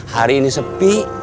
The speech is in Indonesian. hari ini sepi